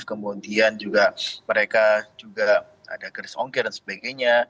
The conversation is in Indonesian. kemudian juga mereka juga ada keris ongkir dan sebagainya